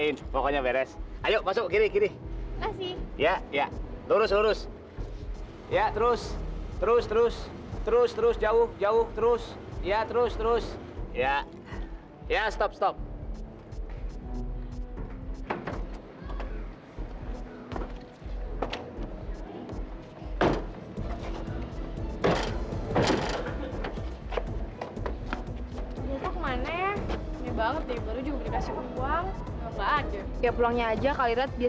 tuh bapak tuh kemana aja sih